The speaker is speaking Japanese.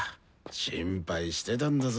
心配してたんだぞ。